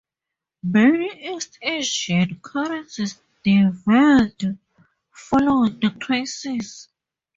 Many East Asian currencies devalued following the crisis.